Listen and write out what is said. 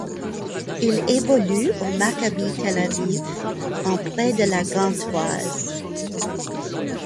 Il évolue au Maccabi Tel-Aviv en prêt de La Gantoise.